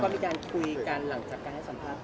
มีการคุยกันหลังจากการให้สัมภาษณ์